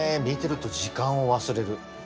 見てると時間を忘れる。